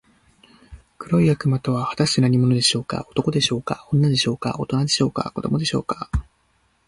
黒い魔物とは、はたして何者でしょうか。男でしょうか、女でしょうか、おとなでしょうか、子どもでしょうか。